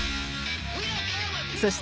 そして＃